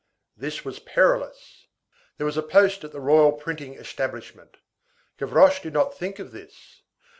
This was perilous. There was a post at the Royal Printing Establishment. Gavroche did not think of this.